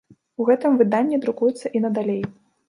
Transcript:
У гэтым выданні друкуецца і надалей.